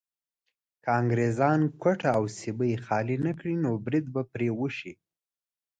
که انګريزان کوټه او سبۍ خالي نه کړي نو بريد به پرې وشي.